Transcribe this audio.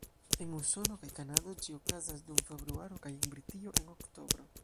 En Usono kaj Kanado ĝi okazas dum februaro, kaj en Britio en oktobro.